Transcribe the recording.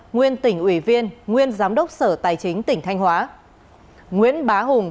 nguyên tỉnh ủy viên nguyên giám đốc sở tài chính tỉnh thanh hóa nguyễn bá hùng